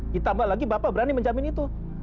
ditambah lagi bapak berani menjamin itu